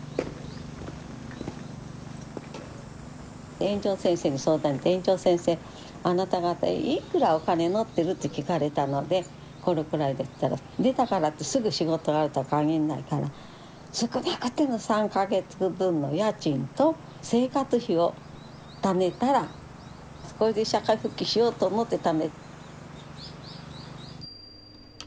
園長先生に相談して園長先生「あなた方いくらお金持ってる？」って聞かれたので「これくらいです」って言ったら出たからってすぐ仕事があるとは限んないから少なくても３か月分の家賃と生活費をためたらこれで社会復帰しようと思ってた。